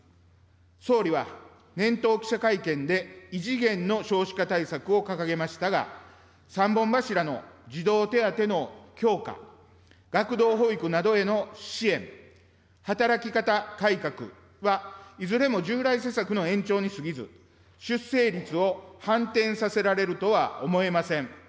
総理は年頭記者会見で異次元の少子化対策を掲げましたが、３本柱の児童手当の強化、学童保育などへの支援、働き方改革は、いずれも従来施策の延長にすぎず、出生率を反転させられるとは思えません。